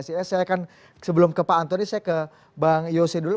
saya akan sebelum ke pak antoni saya ke bang yose dulu